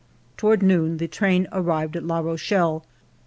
Toward noon the train arrived at La Rochelle.